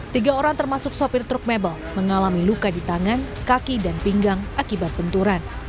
tiga orang termasuk sopir truk mebel mengalami luka di tangan kaki dan pinggang akibat benturan